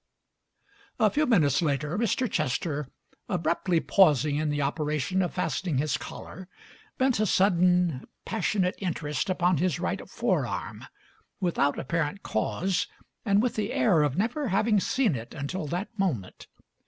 A few minutes later Mr. Chester, abruptly pausing in the operation of fastening his collar, bent a sudden, passionate interest upon his right forearm, without apparent cause and with the air of never having seen it until that moment.